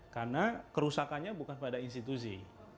karena kerusakannya bukan pada institusi